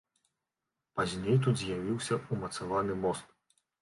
Пазней тут з'явіўся ўмацаваны мост.